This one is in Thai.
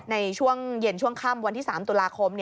ในช่วงเย็นช่วงค่ำวันที่๓ตุลาคม